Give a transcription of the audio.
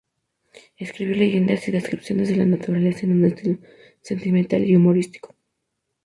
Escribió leyendas y descripciones de la naturaleza en un estilo sentimental y humorístico.